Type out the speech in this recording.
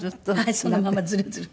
そのままズルズルと。